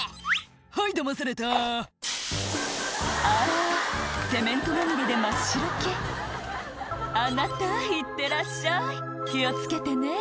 「はいだまされた」あセメントまみれで真っ白け「あなたいってらっしゃい気を付けてね」